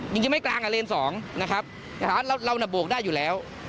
จริงไม่กลางกับเลนส์๒นะครับเราน่ะโบกได้อยู่แล้ว